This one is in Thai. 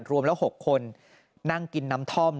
รวมแล้ว๖คนนั่งกินน้ำท่อม